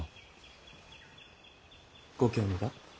ご興味が？